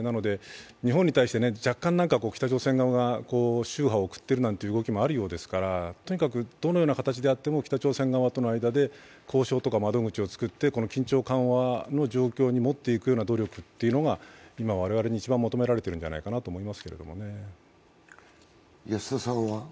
日本に対して若干、北朝鮮側が周波を送ってるという動きもあるようですから、とにかくどのような形であっても北朝鮮との間で交渉とか窓口を作って緊張緩和の状況に持っていく努力というのが今、我々に一番求められてるんじゃないかなと思いますけどね。